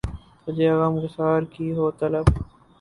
تجھے غم گسار کی ہو طلب